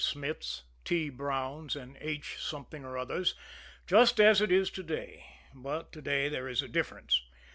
Smiths, T. Browns and H. Something or others just as it is to day. But to day there is a difference.